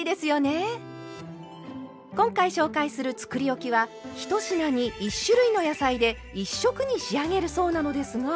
今回紹介するつくりおきは１品に１種類の野菜で１色に仕上げるそうなのですが。